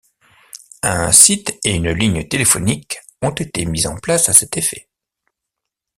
Un site et une ligne téléphonique ont été mis en place à cet effet.